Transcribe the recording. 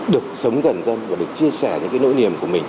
được sống gần dân và được chia sẻ những nỗi niềm